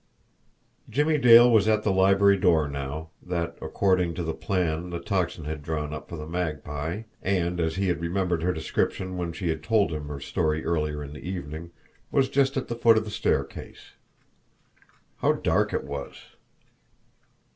Jimmie Dale was at the library door now, that, according to the plan the Tocsin had drawn for the Magpie, and as he remembered her description when she had told him her story earlier in the evening, was just at the foot of the staircase. How dark it was!